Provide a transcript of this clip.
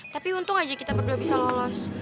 tapi untung aja kita berdua bisa lolos